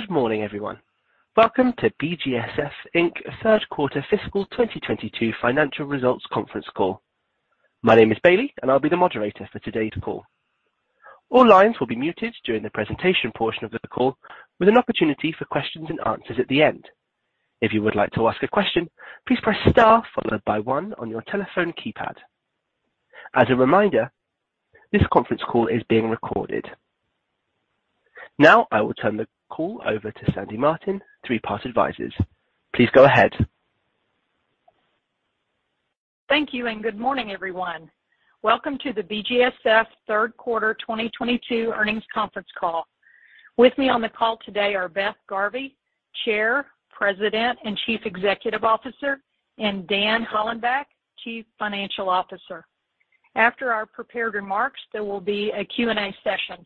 Good morning, everyone. Welcome to BGSF, Inc. Third Quarter Fiscal 2022 Financial Results Conference Call. My name is Bailey, and I'll be the moderator for today's call. All lines will be muted during the presentation portion of the call, with an opportunity for questions and answers at the end. If you would like to ask a question, please press star followed by one on your telephone keypad. As a reminder, this conference call is being recorded. Now I will turn the call over to Sandy Martin, Three Part Advisors. Please go ahead. Thank you, and good morning, everyone. Welcome to the BGSF third quarter 2022 earnings conference call. With me on the call today are Beth Garvey, Chair, President, and Chief Executive Officer, and Dan Hollenbach, Chief Financial Officer. After our prepared remarks, there will be a Q&A session.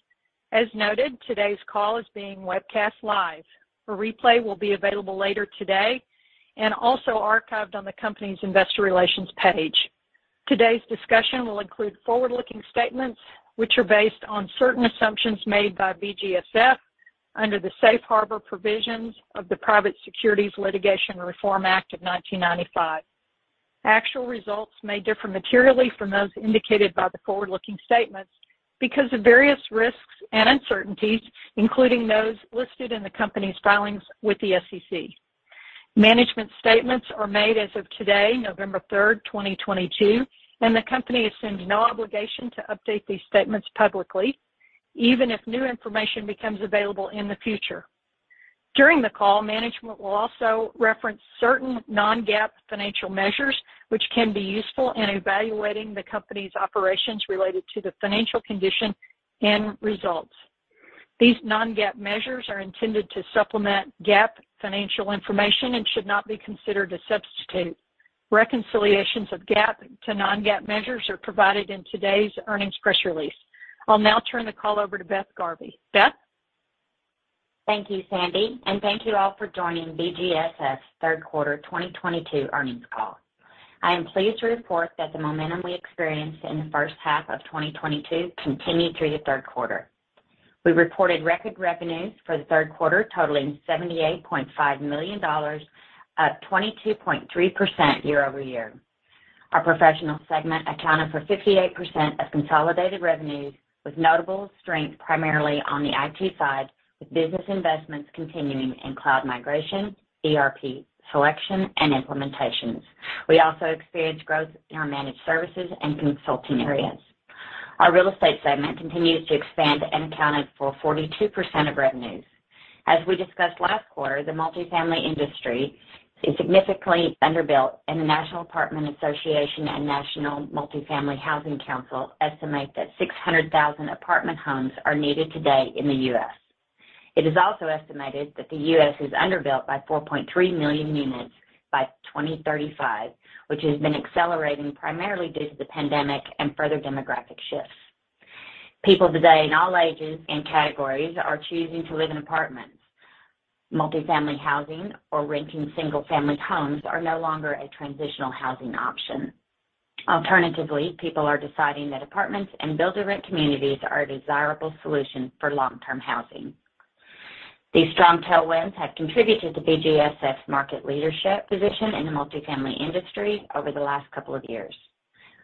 As noted, today's call is being webcast live. A replay will be available later today and also archived on the company's investor relations page. Today's discussion will include forward-looking statements which are based on certain assumptions made by BGSF under the Safe Harbor provisions of the Private Securities Litigation Reform Act of 1995. Actual results may differ materially from those indicated by the forward-looking statements because of various risks and uncertainties, including those listed in the company's filings with the SEC. Management statements are made as of today, November 3, 2022, and the company assumes no obligation to update these statements publicly, even if new information becomes available in the future. During the call, management will also reference certain non-GAAP financial measures, which can be useful in evaluating the company's operations related to the financial condition and results. These non-GAAP measures are intended to supplement GAAP financial information and should not be considered a substitute. Reconciliations of GAAP to non-GAAP measures are provided in today's earnings press release. I'll now turn the call over to Beth Garvey. Beth? Thank you, Sandy, and thank you all for joining BGSF Third Quarter 2022 Earnings Call. I am pleased to report that the momentum we experienced in the first half of 2022 continued through the third quarter. We reported record revenues for the third quarter, totaling $78.5 million, up 22.3% year-over-year. Our professional segment accounted for 58% of consolidated revenues, with notable strength primarily on the IT side, with business investments continuing in cloud migration, ERP selection and implementations. We also experienced growth in our managed services and consulting areas. Our real estate segment continues to expand and accounted for 42% of revenues. As we discussed last quarter, the multifamily industry is significantly underbuilt, and the National Apartment Association and National Multifamily Housing Council estimate that 600,000 apartment homes are needed today in the U.S. It is also estimated that the U.S. is underbuilt by 4.3 million units by 2035, which has been accelerating primarily due to the pandemic and further demographic shifts. People today in all ages and categories are choosing to live in apartments. Multifamily housing or renting single-family homes are no longer a transitional housing option. Alternatively, people are deciding that apartments and build-to-rent communities are a desirable solution for long-term housing. These strong tailwinds have contributed to BGSF's market leadership position in the multifamily industry over the last couple of years.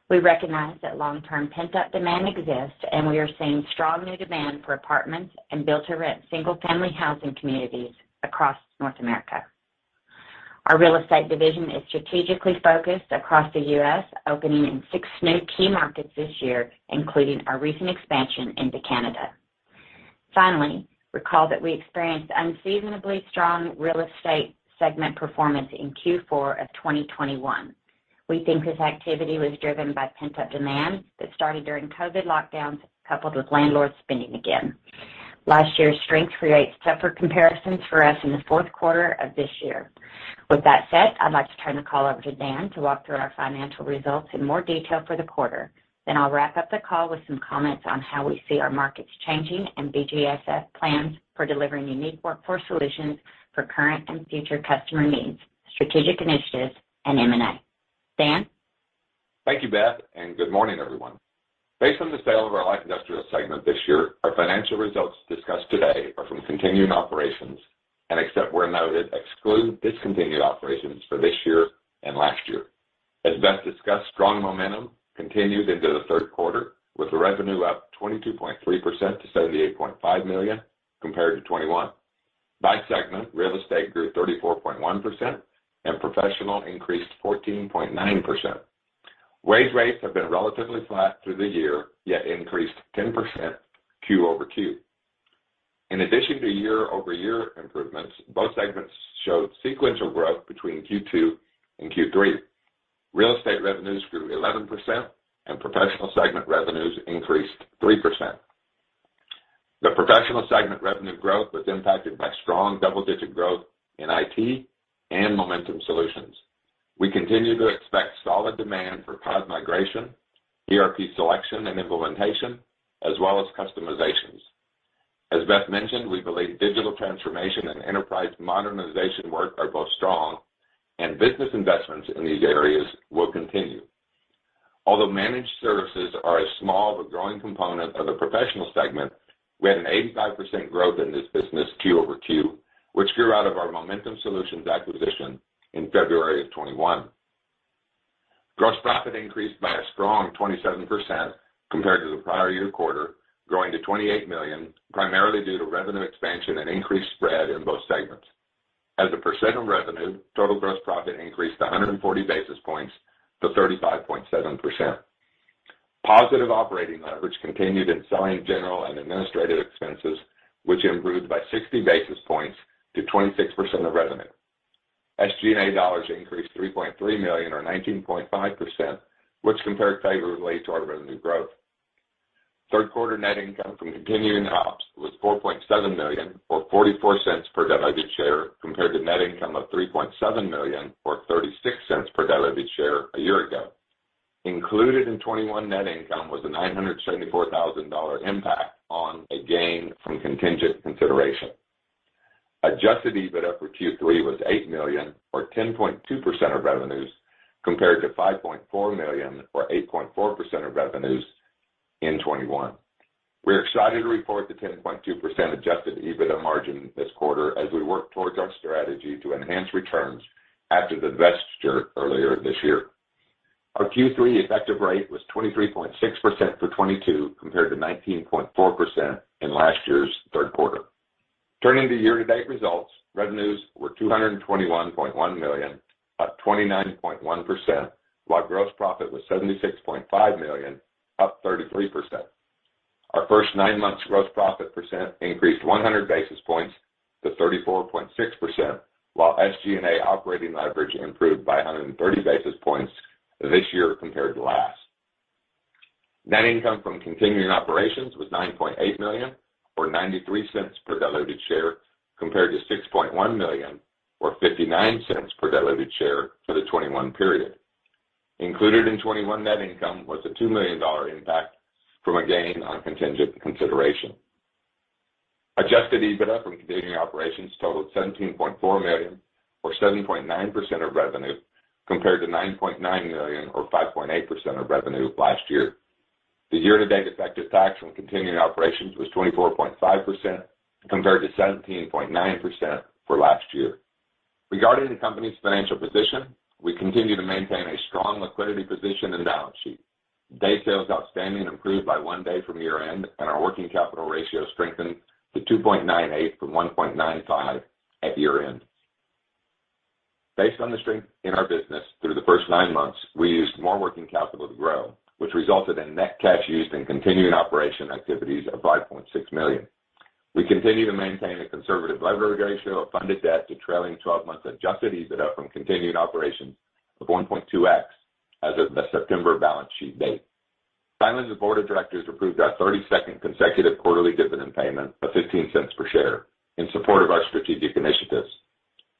We recognize that long-term pent-up demand exists, and we are seeing strong new demand for apartments and build-to-rent single-family housing communities across North America. Our real estate division is strategically focused across the U.S., opening in 6 new key markets this year, including our recent expansion into Canada. Finally, recall that we experienced unseasonably strong real estate segment performance in Q4 of 2021. We think this activity was driven by pent-up demand that started during COVID lockdowns, coupled with landlords spinning again. Last year's strength creates tougher comparisons for us in the fourth quarter of this year. With that said, I'd like to turn the call over to Dan to walk through our financial results in more detail for the quarter. Then I'll wrap up the call with some comments on how we see our markets changing and BGSF plans for delivering unique workforce solutions for current and future customer needs, strategic initiatives, and M&A. Dan? Thank you, Beth, and good morning, everyone. Based on the sale of our Light Industrial segment this year, our financial results discussed today are from continuing operations and except where noted, exclude discontinued operations for this year and last year. As Beth discussed, strong momentum continued into the third quarter, with revenue up 22.3% to $78.5 million compared to $21 million. By segment, Real Estate grew 34.1% and Professional increased 14.9%. Wage rates have been relatively flat through the year, yet increased 10% quarter-over-quarter. In addition to year-over-year improvements, both segments showed sequential growth between Q2 and Q3. Real Estate revenues grew 11% and Professional segment revenues increased 3%. The Professional segment revenue growth was impacted by strong double-digit growth in IT and Momentum Solutionz. We continue to expect solid demand for cloud migration, ERP selection and implementation, as well as customizations. As Beth mentioned, we believe digital transformation and enterprise modernization work are both strong and business investments in these areas will continue. Although managed services are a small but growing component of the professional segment, we had an 85% growth in this business Q-over-Q, which grew out of our Momentum Solutionz acquisition in February 2021. Gross profit increased by a strong 27% compared to the prior year quarter, growing to $28 million, primarily due to revenue expansion and increased spread in both segments. As a percent of revenue, total gross profit increased 140 basis points to 35.7%. Positive operating leverage continued in selling general and administrative expenses, which improved by 60 basis points to 26% of revenue. SG&A dollars increased $3.3 million or 19.5%, which compared favorably to our revenue growth. Third quarter net income from continuing ops was $4.7 million or $0.44 per diluted share compared to net income of $3.7 million or $0.36 per diluted share a year ago. Included in 2021 net income was a $974,000 impact on a gain from contingent consideration. Adjusted EBITDA for Q3 was $8 million or 10.2% of revenues compared to $5.4 million or 8.4% of revenues in 2021. We're excited to report the 10.2% adjusted EBITDA margin this quarter as we work towards our strategy to enhance returns after the divestiture earlier this year. Our Q3 effective rate was 23.6% for 2022 compared to 19.4% in last year's third quarter. Turning to year-to-date results, revenues were $221.1 million, up 29.1%, while gross profit was $76.5 million, up 33%. Our first nine months gross profit percent increased 100 basis points to 34.6%, while SG&A operating leverage improved by 130 basis points this year compared to last. Net income from continuing operations was $9.8 million or $0.93 per diluted share compared to $6.1 million or $0.59 per diluted share for the 2021 period. Included in 2021 net income was a $2 million impact from a gain on contingent consideration. Adjusted EBITDA from continuing operations totaled $17.4 million or 7.9% of revenue compared to $9.9 million or 5.8% of revenue last year. The year-to-date effective tax from continuing operations was 24.5% compared to 17.9% for last year. Regarding the company's financial position, we continue to maintain a strong liquidity position and balance sheet. Days sales outstanding improved by 1 day from year-end, and our working capital ratio strengthened to 2.98 from 1.95 at year-end. Based on the strength in our business through the first 9 months, we used more working capital to grow, which resulted in net cash used in continuing operating activities of $5.6 million. We continue to maintain a conservative leverage ratio of funded debt to trailing twelve months Adjusted EBITDA from continuing operations of 1.2x as of the September balance sheet date. BGSF's board of directors approved our thirty-second consecutive quarterly dividend payment of $0.15 per share in support of our strategic initiatives.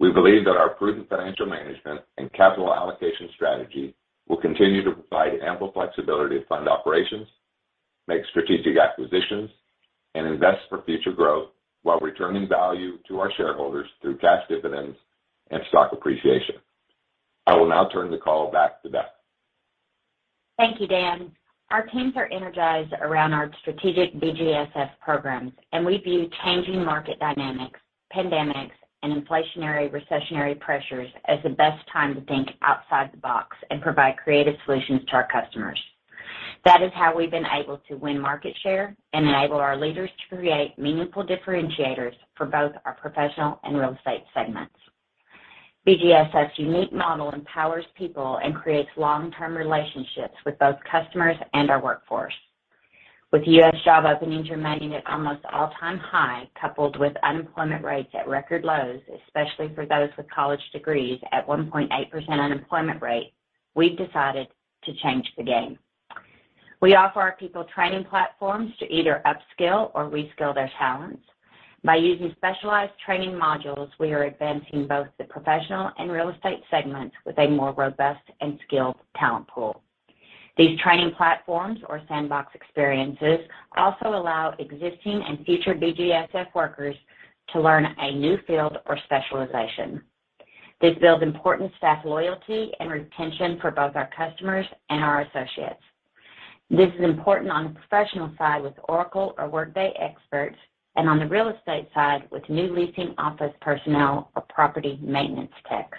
We believe that our prudent financial management and capital allocation strategy will continue to provide ample flexibility to fund operations, make strategic acquisitions, and invest for future growth while returning value to our shareholders through cash dividends and stock appreciation. I will now turn the call back to Beth. Thank you, Dan. Our teams are energized around our strategic BGSF's programs, and we view changing market dynamics, pandemics, and inflationary recessionary pressures as the best time to think outside the box and provide creative solutions to our customers. That is how we've been able to win market share and enable our leaders to create meaningful differentiators for both our professional and real estate segments. BGSF's unique model empowers people and creates long-term relationships with both customers and our workforce. With U.S. job openings remaining at almost all-time high, coupled with unemployment rates at record lows, especially for those with college degrees at 1.8% unemployment rate, we've decided to change the game. We offer our people training platforms to either upskill or reskill their talents. By using specialized training modules, we are advancing both the professional and real estate segments with a more robust and skilled talent pool. These training platforms or sandbox experiences also allow existing and future BGSF workers to learn a new field or specialization. This builds important staff loyalty and retention for both our customers and our associates. This is important on the professional side with Oracle or Workday experts and on the real estate side with new leasing office personnel or property maintenance techs.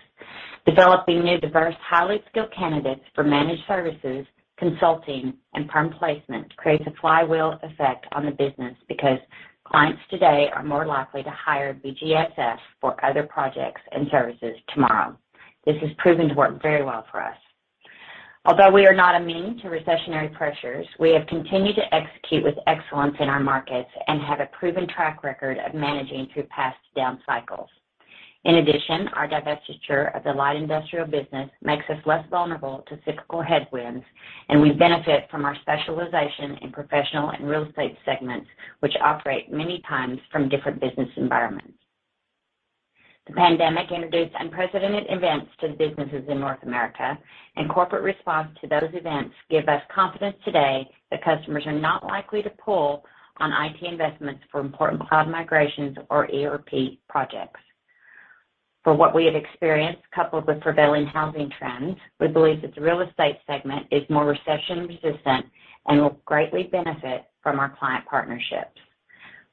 Developing new diverse, highly skilled candidates for managed services, consulting, and perm placement creates a flywheel effect on the business because clients today are more likely to hire BGSF for other projects and services tomorrow. This has proven to work very well for us. Although we are not immune to recessionary pressures, we have continued to execute with excellence in our markets and have a proven track record of managing through past down cycles. In addition, our divestiture of the Light Industrial business makes us less vulnerable to cyclical headwinds, and we benefit from our specialization in professional and real estate segments, which operate oftentimes from different business environments. The pandemic introduced unprecedented events to the businesses in North America, and corporate response to those events give us confidence today that customers are not likely to pull back on IT investments for important cloud migrations or ERP projects. From what we have experienced, coupled with prevailing housing trends, we believe that the real estate segment is more recession resistant and will greatly benefit from our client partnerships.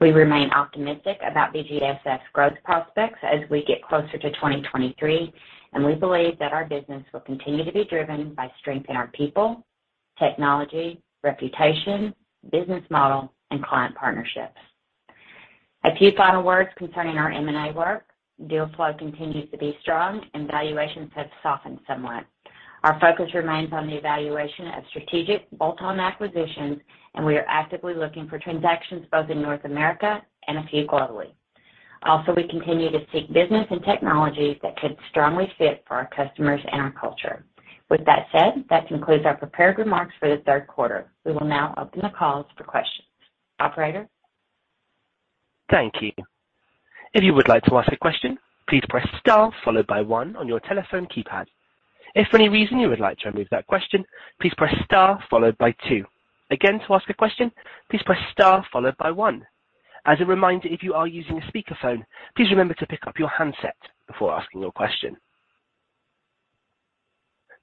We remain optimistic about BGSF growth prospects as we get closer to 2023, and we believe that our business will continue to be driven by strength in our people, technology, reputation, business model, and client partnerships. A few final words concerning our M&A work. Deal flow continues to be strong and valuations have softened somewhat. Our focus remains on the evaluation of strategic bolt-on acquisitions, and we are actively looking for transactions both in North America and a few globally. Also, we continue to seek business and technology that could strongly fit for our customers and our culture. With that said, that concludes our prepared remarks for the third quarter. We will now open the call for questions. Operator? Thank you. If you would like to ask a question, please press star followed by one on your telephone keypad. If for any reason you would like to remove that question, please press star followed by two. Again, to ask a question, please press star followed by one. As a reminder, if you are using a speakerphone, please remember to pick up your handset before asking your question.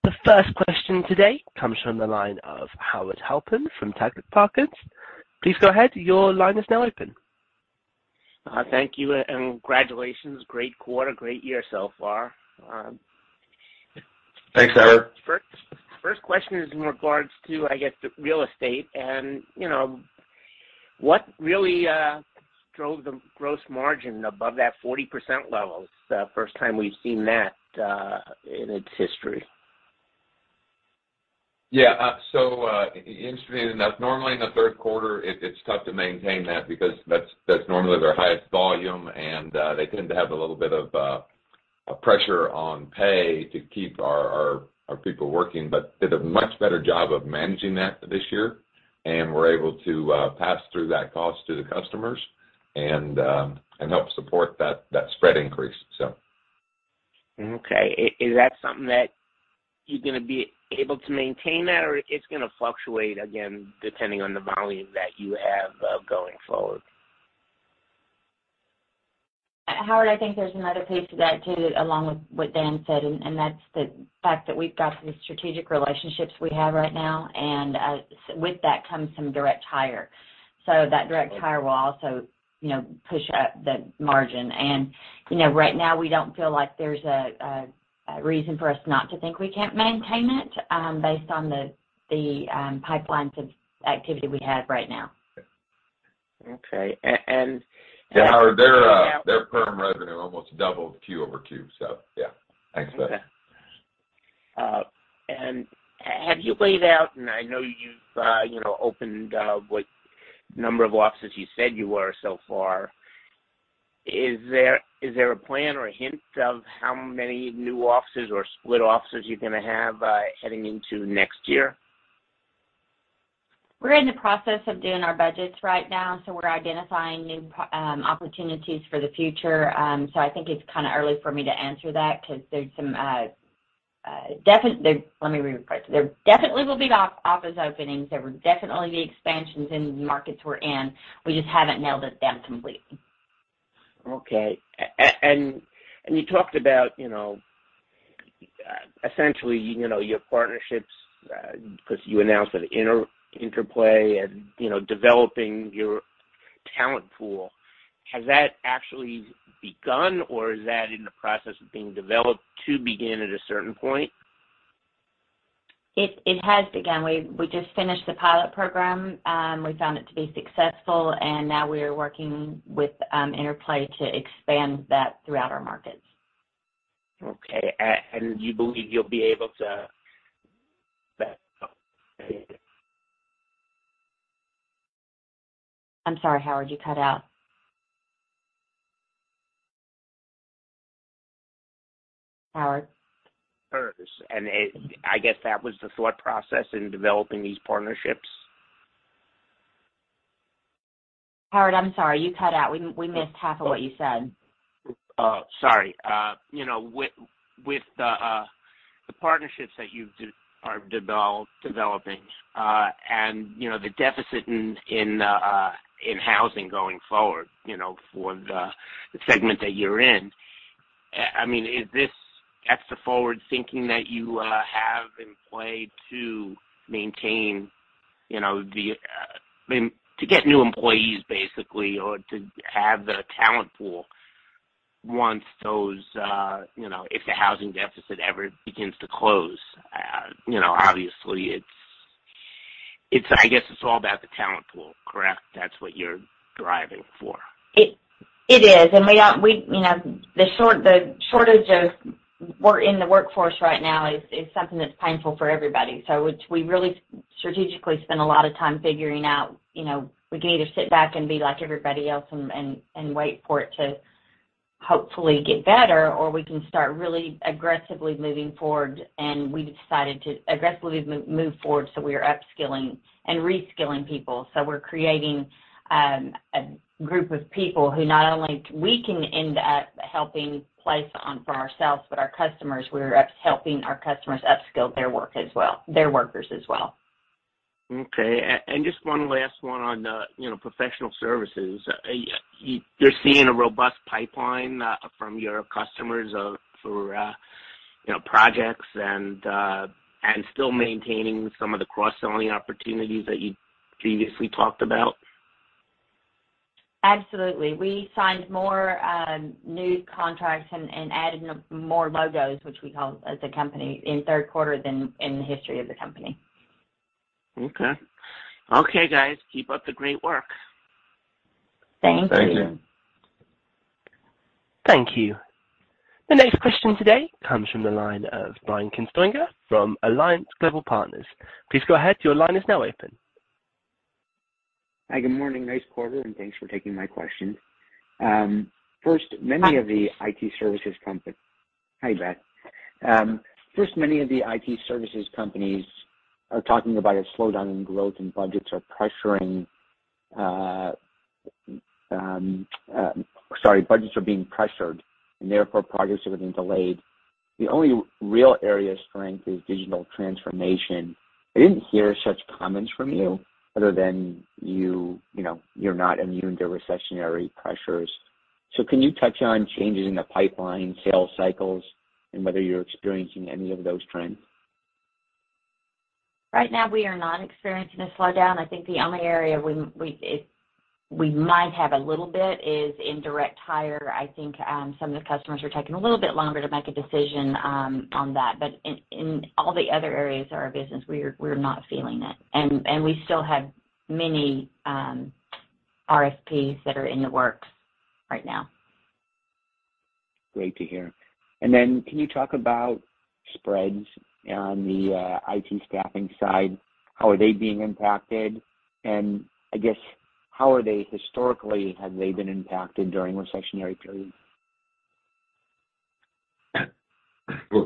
The first question today comes from the line of Howard Halpern from Tigress Financial Partners. Please go ahead. Your line is now open. Thank you and congratulations. Great quarter, great year so far. Thanks, Howard. First question is in regards to, I guess, the real estate and, you know, what really drove the gross margin above that 40% level? It's the first time we've seen that in its history. Interesting. That's normally in the third quarter. It's tough to maintain that because that's normally their highest volume, and they tend to have a little bit of a pressure on pay to keep our people working. But did a much better job of managing that this year, and we're able to pass through that cost to the customers and help support that spread increase. Okay. Is that something that you're gonna be able to maintain that, or it's gonna fluctuate again, depending on the volume that you have going forward? Howard, I think there's another piece to that too, along with what Dan said, and that's the fact that we've got the strategic relationships we have right now. With that comes some direct hire. That direct hire will also, you know, push up the margin. You know, right now we don't feel like there's a reason for us not to think we can't maintain it, based on the pipelines of activity we have right now. Okay. Yeah, their perm revenue almost doubled Q over Q. Yeah. Thanks for that. Okay. Have you laid out, and I know you've you know opened what number of offices you said you were so far? Is there a plan or a hint of how many new offices or split offices you're gonna have heading into next year? We're in the process of doing our budgets right now, so we're identifying new opportunities for the future. I think it's kinda early for me to answer that. Let me rephrase. There definitely will be new office openings. There will definitely be expansions in markets we're in. We just haven't nailed it down completely. Okay. You talked about, you know, essentially, you know, your partnerships, 'cause you announced that Interplay and, you know, developing your talent pool. Has that actually begun or is that in the process of being developed to begin at a certain point? It has begun. We just finished the pilot program. We found it to be successful and now we are working with Interplay to expand that throughout our markets. Okay. You believe you'll be able to I'm sorry, Howard, you cut out. Howard? I guess that was the thought process in developing these partnerships. Howard, I'm sorry. You cut out. We missed half of what you said. You know, with the partnerships that you are developing, and, you know, the deficit in housing going forward, you know, for the segment that you're in. I mean, is this extra forward thinking that you have in play to maintain, you know, I mean, to get new employees basically or to have the talent pool once those, you know, if the housing deficit ever begins to close? You know, obviously it's all about the talent pool, correct? That's what you're driving for. It is. We do, you know, the shortage of workers in the workforce right now is something that's painful for everybody. We really strategically spend a lot of time figuring out, you know, we can either sit back and be like everybody else and wait for it to hopefully get better, or we can start really aggressively moving forward. We decided to aggressively move forward, so we are upskilling and reskilling people. We're creating a group of people who not only we can end up helping place them for ourselves, but our customers. We're upskilling our customers, their workers as well. Okay. Just one last one on the, you know, professional services. You're seeing a robust pipeline from your customers for you know projects and still maintaining some of the cross-selling opportunities that you previously talked about? Absolutely. We signed more new contracts and added more logos, which we call as a company, in third quarter than in the history of the company. Okay. Okay, guys. Keep up the great work. Thank you. Thank you. Thank you. The next question today comes from the line of Brian Kinstlinger from Alliance Global Partners. Please go ahead. Your line is now open. Hi, good morning. Nice quarter, and thanks for taking my questions. First, many of the IT services company- Hi. Hi, Beth. First, many of the IT services companies are talking about a slowdown in growth and budgets are being pressured and therefore projects are being delayed. The only real area of strength is digital transformation. I didn't hear such comments from you other than you know you're not immune to recessionary pressures. Can you touch on changes in the pipeline sales cycles and whether you're experiencing any of those trends? Right now, we are not experiencing a slowdown. I think the only area we might have a little bit is in direct hire. I think some of the customers are taking a little bit longer to make a decision on that. In all the other areas of our business, we're not feeling it. We still have many RFPs that are in the works right now. Great to hear. Then can you talk about spreads on the, IT staffing side? How are they being impacted? I guess how are they historically? Have they been impacted during recessionary periods?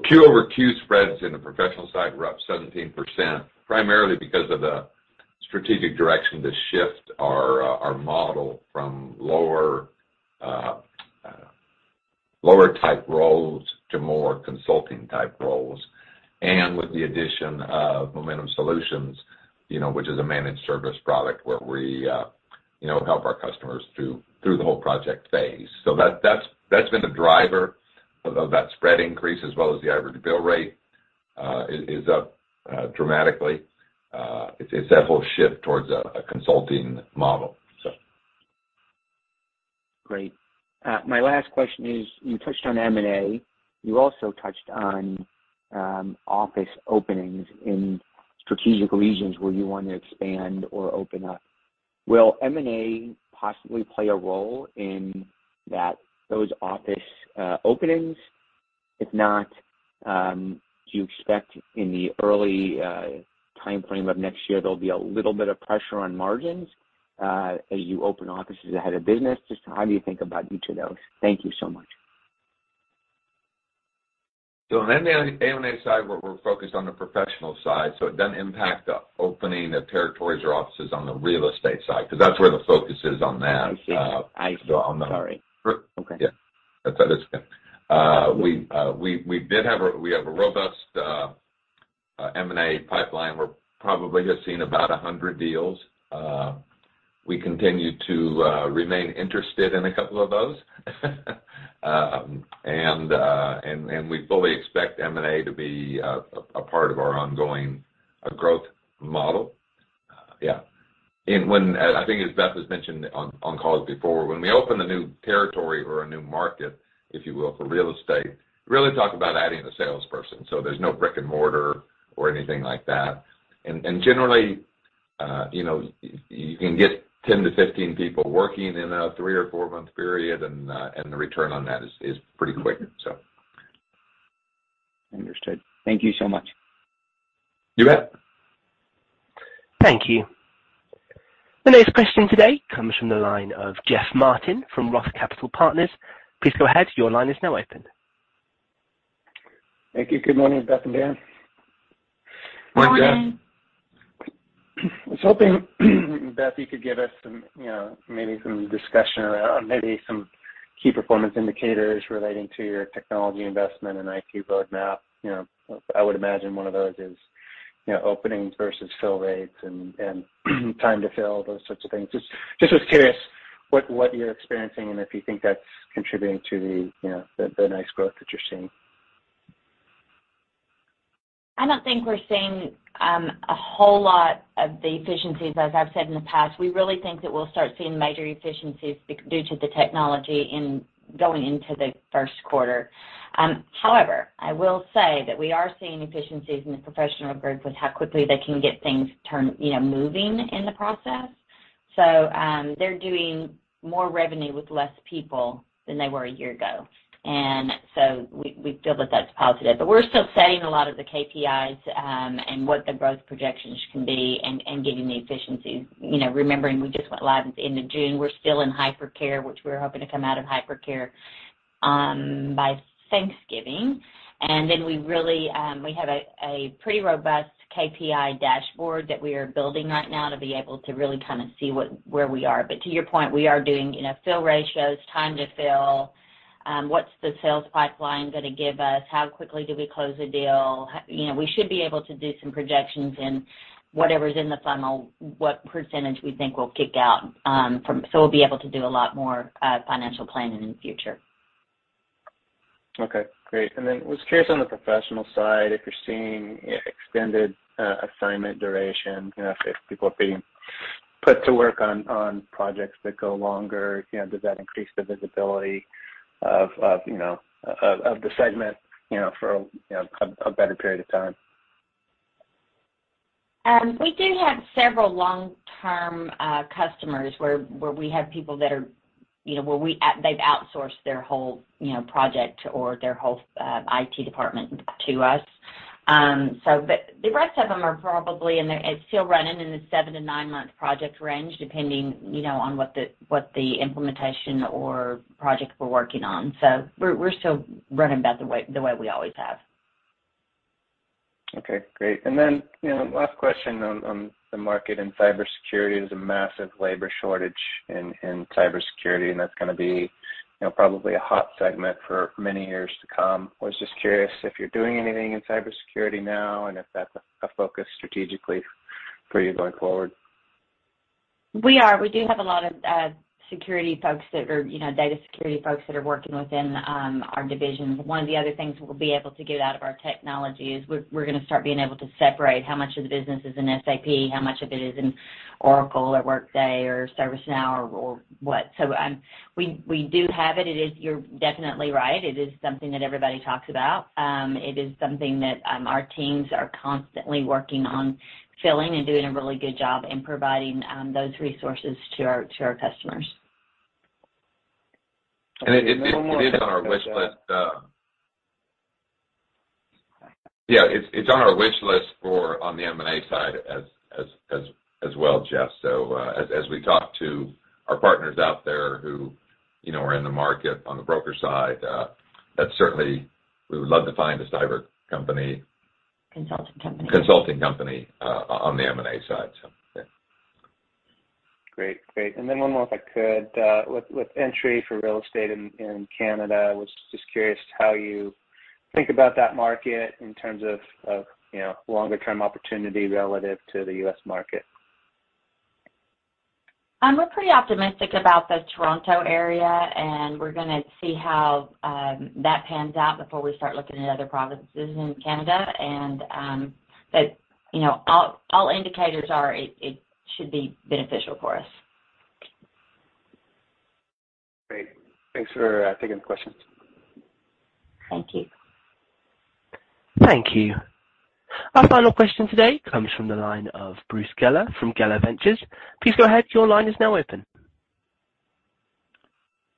Q-over-Q spreads in the professional side were up 17%, primarily because of the strategic direction to shift our model from lower type roles to more consulting type roles. With the addition of Momentum Solutionz, you know, which is a managed service product where we, you know, help our customers through the whole project phase. That's been the driver of that spread increase as well as the average bill rate is up dramatically. It's that whole shift towards a consulting model. Great. My last question is, you touched on M&A. You also touched on office openings in strategic regions where you want to expand or open up. Will M&A possibly play a role in those office openings? If not, do you expect in the early time-frame of next year, there'll be a little bit of pressure on margins as you open offices ahead of business? Just how do you think about each of those? Thank you so much. On M&A side, we're focused on the professional side, so it doesn't impact the opening of territories or offices on the real estate side, because that's where the focus is on that. I see. I see. So on the- Sorry. For- Okay. Yeah. That's okay. We have a robust M&A pipeline. We've probably seen about 100 deals. We continue to remain interested in a couple of those. We fully expect M&A to be a part of our ongoing growth model. Yeah. I think as Beth has mentioned on calls before, when we open a new territory or a new market, if you will, for real estate, we really talk about adding a salesperson. There's no brick and mortar or anything like that. Generally, you know, you can get 10-15 people working in a 3- or 4-month period, and the return on that is pretty quick. Understood. Thank you so much. You bet. Thank you. The next question today comes from the line of Jeff Martin from Roth Capital Partners. Please go ahead. Your line is now open. Thank you. Good morning, Beth and Dan. Morning, Jeff. Morning. I was hoping, Beth, you could give us some, you know, maybe some discussion around maybe some key performance indicators relating to your technology investment and IT roadmap. You know, I would imagine one of those is, you know, openings versus fill rates and time to fill, those sorts of things. Just was curious what you're experiencing and if you think that's contributing to the, you know, the nice growth that you're seeing. I don't think we're seeing a whole lot of the efficiencies. As I've said in the past, we really think that we'll start seeing major efficiencies due to the technology going into the first quarter. However, I will say that we are seeing efficiencies in the professional group with how quickly they can get things turn, you know, moving in the process. They're doing more revenue with less people than they were a year ago. We feel that that's positive. We're still setting a lot of the KPIs and what the growth projections can be and getting the efficiencies. You know, remembering we just went live at the end of June. We're still in hypercare, which we're hoping to come out of hyper-care by Thanksgiving. We really have a pretty robust KPI dashboard that we are building right now to be able to really kind of see where we are. To your point, we are doing fill ratios, time to fill, what's the sales pipeline gonna give us? How quickly do we close a deal? We should be able to do some projections in whatever's in the funnel, what percentage we think will kick out, so we'll be able to do a lot more financial planning in the future. Okay, great. Was curious on the professional side, if you're seeing extended assignment duration, you know, if people are being put to work on projects that go longer, you know, does that increase the visibility of the segment, you know, for a better period of time? We do have several long-term customers where we have people that are, you know, where they've outsourced their whole, you know, project or their whole IT department to us. The rest of them are probably. It's still running in the 7-9-month project range, depending, you know, on what the implementation or project we're working on. We're still running about the way we always have. Okay, great. You know, last question on the market in cybersecurity. There's a massive labor shortage in cybersecurity, and that's gonna be, you know, probably a hot segment for many years to come. Was just curious if you're doing anything in cybersecurity now and if that's a focus strategically for you going forward. We are. We do have a lot of security folks that are, you know, data security folks that are working within our divisions. One of the other things we'll be able to get out of our technology is we're gonna start being able to separate how much of the business is in SAP, how much of it is in Oracle or Workday or ServiceNow or what. We do have it. It is. You're definitely right. It is something that everybody talks about. It is something that our teams are constantly working on filling and doing a really good job in providing those resources to our customers. It is on our wish list. Yeah, it's on our wish list for on the M&A side as well, Jeff. As we talk to our partners out there who, you know, are in the market on the broker side, that certainly we would love to find a cyber company. Consulting company. consulting company, on the M&A side, so yeah. Great. Great. Then one more if I could. With entry into real estate in Canada, I was just curious how you think about that market in terms of you know, longer term opportunity relative to the U.S. market? We're pretty optimistic about the Toronto area, and we're gonna see how that pans out before we start looking at other provinces in Canada. You know, all indicators are that it should be beneficial for us. Great. Thanks for taking the questions. Thank you. Thank you. Our final question today comes from the line of Bruce Geller from Geller Ventures. Please go ahead. Your line is now open.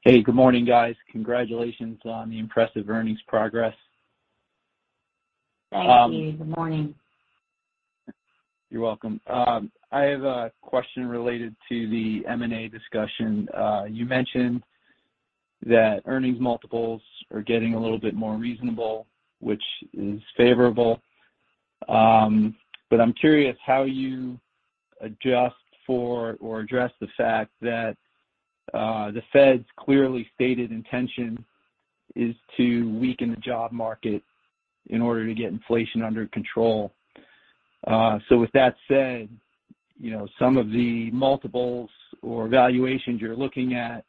Hey. Good morning, guys. Congratulations on the impressive earnings progress. Thank you. Good morning. You're welcome. I have a question related to the M&A discussion. You mentioned that earnings multiples are getting a little bit more reasonable, which is favorable. I'm curious how you adjust for or address the fact that the Fed's clearly stated intention is to weaken the job market in order to get inflation under control. With that said, you know, some of the multiples or valuations you're looking at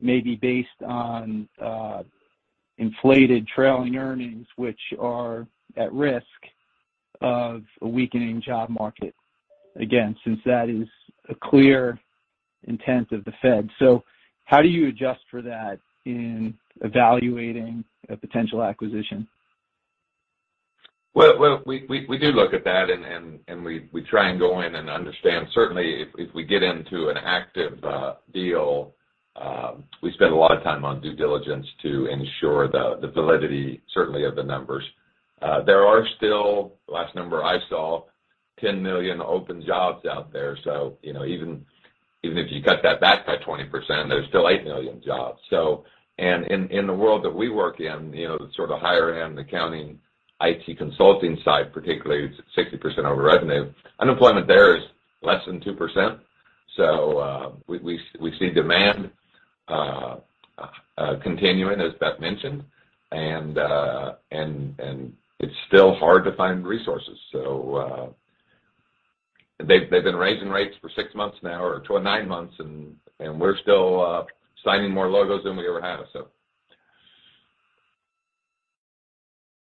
may be based on inflated trailing earnings, which are at risk of a weakening job market, again, since that is a clear intent of the Fed. How do you adjust for that in evaluating a potential acquisition? Well, we do look at that and we try and go in and understand. Certainly if we get into an active deal, we spend a lot of time on due diligence to ensure the validity certainly of the numbers. There are still, last number I saw, 10 million open jobs out there. You know, even if you cut that back by 20%, there's still 8 million jobs. In the world that we work in, you know, the sort of higher end accounting IT consulting side particularly, it's 60% of our revenue, unemployment there is less than 2%. We see demand continuing as Beth mentioned. It's still hard to find resources. They've been raising rates for 6 months now or 29 months and we're still signing more logos than we ever have, so.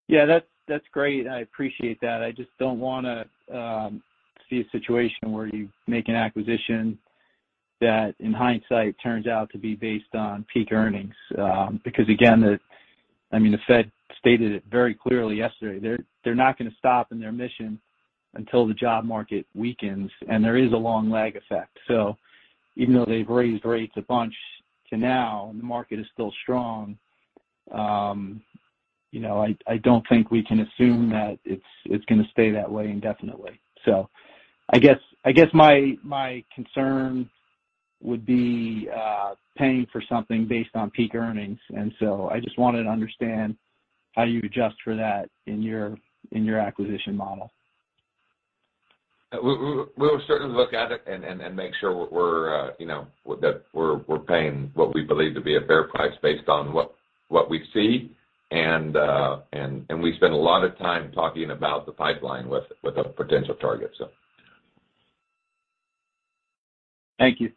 Yeah. That's great. I appreciate that. I just don't wanna see a situation where you make an acquisition that in hindsight turns out to be based on peak earnings. Because again, I mean, the Fed stated it very clearly yesterday. They're not gonna stop in their mission until the job market weakens, and there is a long lag effect. Even though they've raised rates a bunch to now and the market is still strong, you know, I don't think we can assume that it's gonna stay that way indefinitely. I guess my concern would be paying for something based on peak earnings, and I just wanted to understand how you adjust for that in your acquisition model. We'll certainly look at it and make sure we're, you know, that we're paying what we believe to be a fair price based on what we see and we spend a lot of time talking about the pipeline with a potential target, so. Thank you.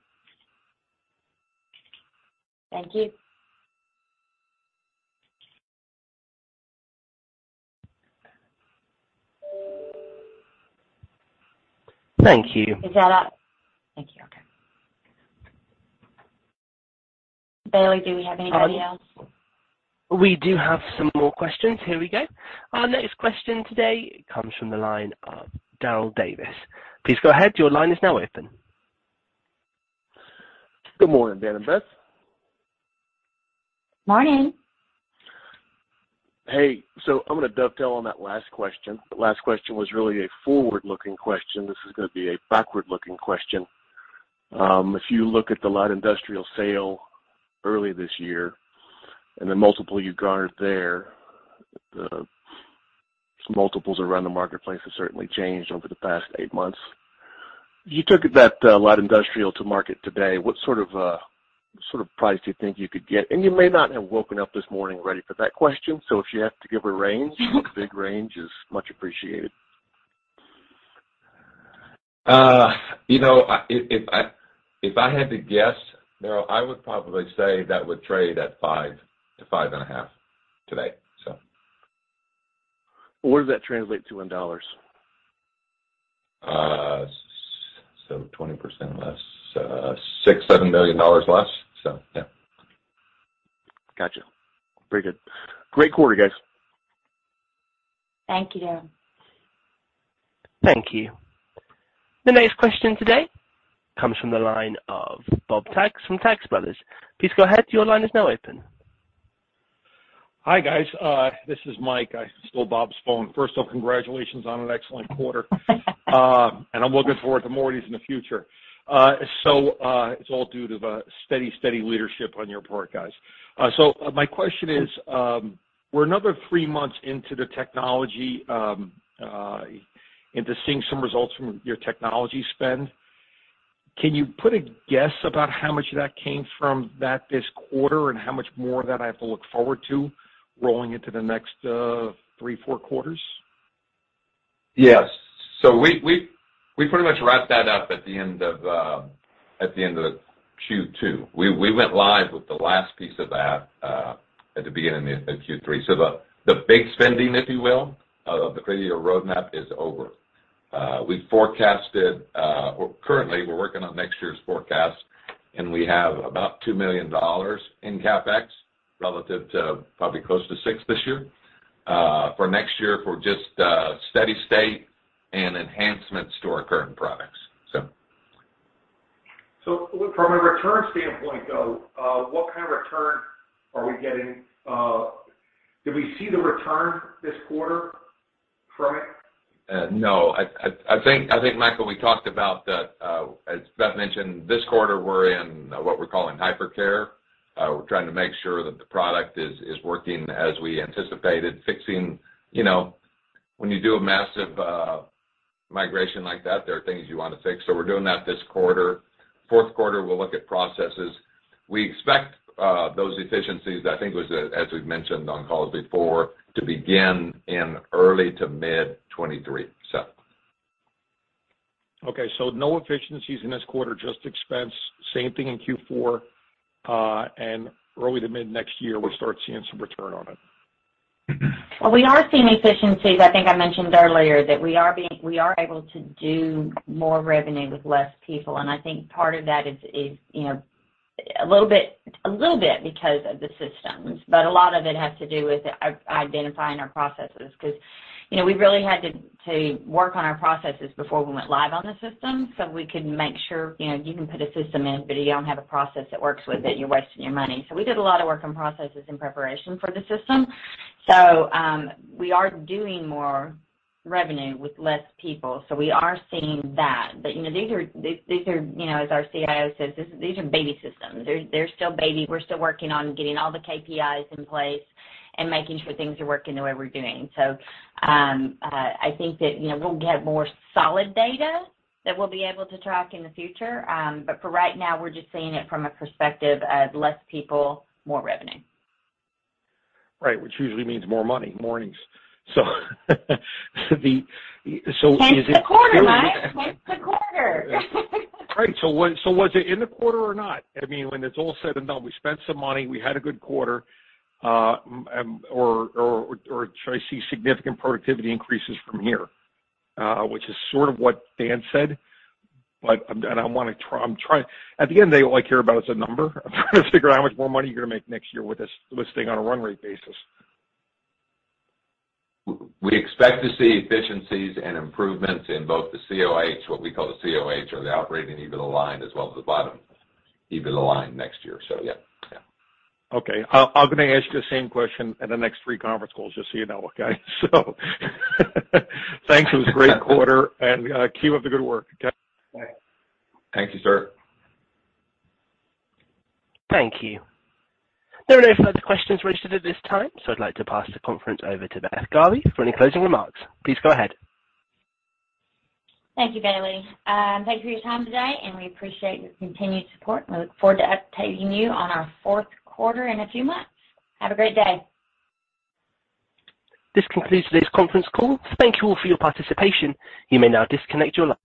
Thank you. Thank you. Is that all? Thank you. Okay. Bailey, do we have anybody else? We do have some more questions. Here we go. Our next question today comes from the line of Darryl Davis. Please go ahead. Your line is now open. Good morning, Dan and Beth. Morning. Hey, I'm gonna dovetail on that last question. The last question was really a forward-looking question. This is gonna be a backward-looking question. If you look at the Light Industrial sale early this year and the multiple you garnered there, the multiples around the marketplace have certainly changed over the past eight months. If you took that Light Industrial to market today, what sort of price do you think you could get? You may not have woken up this morning ready for that question, so if you have to give a range, a big range is much appreciated. You know, if I had to guess, Darryl, I would probably say that would trade at 5-5.5 today, so. What does that translate to in dollars? 20% less, $6-7 million less. Yeah. Gotcha. Very good. Great quarter, guys. Thank you, Darryl. Thank you. The next question today comes from the line of Bob Taglich from Taglich Brothers. Please go ahead. Your line is now open. Hi, guys. This is Mike. I stole Bob's phone. First off, congratulations on an excellent quarter. I'm looking forward to more of these in the future. It's all due to the steady leadership on your part, guys. My question is, we're another three months into seeing some results from your technology spend. Can you put a guess about how much of that came from that this quarter and how much more of that I have to look forward to rolling into the next three, four quarters? Yes. We pretty much wrapped that up at the end of Q2. We went live with the last piece of that at the beginning of Q3. The big spending, if you will, of the IT roadmap is over. We forecasted currently we're working on next year's forecast, and we have about $2 million in CapEx relative to probably close to $6 million this year for next year for just steady state and enhancements to our current products. From a return standpoint, though, what kind of return are we getting? Did we see the return this quarter from it? No. I think, Michael, we talked about that, as Beth mentioned, this quarter we're in what we're calling hypercare. We're trying to make sure that the product is working as we anticipated, fixing. You know, when you do a massive migration like that, there are things you want to fix. We're doing that this quarter. Fourth quarter, we'll look at processes. We expect those efficiencies, I think it was, as we've mentioned on calls before, to begin in early to mid-2023. Okay. No efficiencies in this quarter, just expense. Same thing in Q4, and early to mid-next year, we'll start seeing some return on it. Mm-mm. Well, we are seeing efficiencies. I think I mentioned earlier that we are able to do more revenue with less people. I think part of that is, you know, a little bit because of the systems, but a lot of it has to do with identifying our processes. You know, we really had to work on our processes before we went live on the system, so we could make sure, you know, you can put a system in, but if you don't have a process that works with it, you're wasting your money. We did a lot of work on processes in preparation for the system. We are doing more revenue with less people, so we are seeing that. You know, these are, as our CIO says, these are baby systems. They're still baby. We're still working on getting all the KPIs in place and making sure things are working the way we're doing. I think that, you know, we'll get more solid data that we'll be able to track in the future. For right now, we're just seeing it from a perspective of less people, more revenue. Right, which usually means more money, more earnings. Is it- Change the quarter, Mike. Change the quarter. Was it in the quarter or not? I mean, when it's all said and done, we spent some money, we had a good quarter, or should I see significant productivity increases from here? Which is sort of what Dan said, but I'm trying. At the end, all I care about is a number. I'm trying to figure out how much more money you're gonna make next year with this listing on a run rate basis. We expect to see efficiencies and improvements in both the COGS, what we call the COGS, or the operating EBITDA line, as well as the bottom EBITDA line next year. Yeah. Okay. I'm gonna ask you the same question at the next three conference calls, just so you know, okay? Thanks. It was a great quarter, and keep up the good work. Okay. Thank you, sir. Thank you. There are no further questions registered at this time, so I'd like to pass the conference over to Beth Garvey for any closing remarks. Please go ahead. Thank you, Bailey. Thank you for your time today, and we appreciate your continued support. We look forward to updating you on our fourth quarter in a few months. Have a great day. This concludes today's conference call. Thank you all for your participation. You may now disconnect your line.